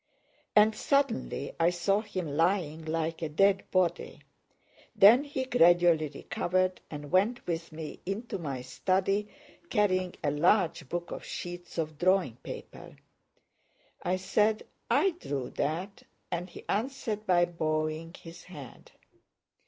And suddenly I saw him lying like a dead body; then he gradually recovered and went with me into my study carrying a large book of sheets of drawing paper; I said, "I drew that," and he answered by bowing his head.